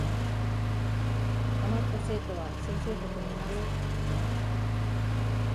あまった生徒は先生と組みます